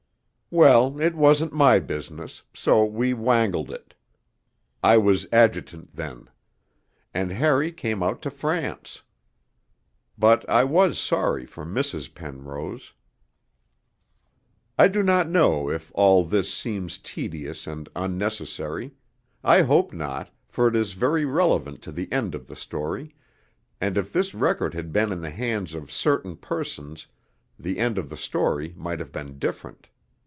'_ Well, it wasn't my business, so we 'wangled' it (I was adjutant then), and Harry came out to France. But I was sorry for Mrs. Penrose. II I do not know if all this seems tedious and unnecessary; I hope not, for it is very relevant to the end of the story, and if this record had been in the hands of certain persons the end of the story might have been different.